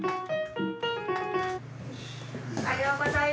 おはようございます。